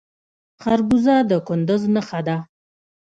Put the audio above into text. خربوزه د کندز نښه ده.